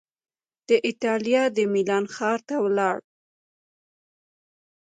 د ایټالیا د میلان ښار ته ولاړ